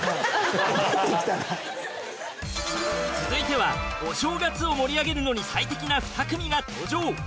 続いてはお正月を盛り上げるのに最適な２組が登場。